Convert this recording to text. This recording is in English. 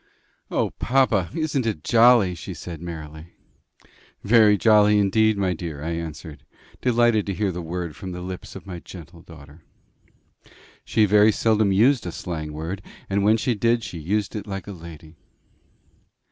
"O, papa! isn't it jolly?" she said merrily. "Very jolly indeed, my dear," I answered, delighted to hear the word from the lips of my gentle daughter. She very seldom used a slang word, and when she did, she used it like a lady.